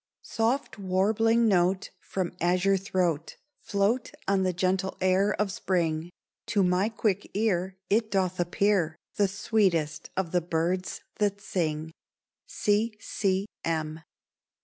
Soft warbling note From azure throat, Float on the gentle air of spring; To my quick ear It doth appear The sweetest of the birds that sing.